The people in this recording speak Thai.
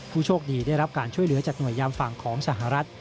ผู้โชคดีได้รับการช่วยเหลือจากหน่วยยามฝั่งของสหรัฐ